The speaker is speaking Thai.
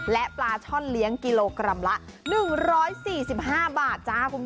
และปลาช่อนเลี้ยงกิโลกรัมละ๑๔๕บาท